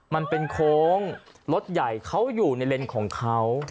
มันเป็นโค้งรถใหญ่เขาอยู่ในเลนส์ของเขา